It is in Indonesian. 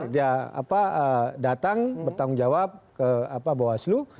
dia datang bertanggung jawab ke bawaslu